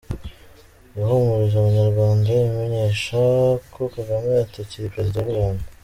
Yahumurije abanyarwanda ibamenyesha ko Kagame atakiri President w’u Rwanda.